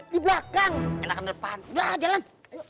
di belakang enak ke depan jalan